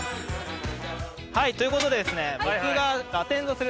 はいということでですね